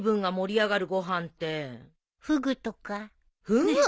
フグ！？